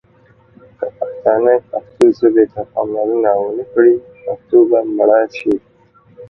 که پښتانه پښتو ژبې ته پاملرنه ونه کړي ، پښتو به مړه شي.